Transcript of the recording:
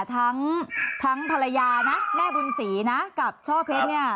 ทั้งทั้งภรรยานะแม่บุญศรีนะกับช่อเพชรเนี่ย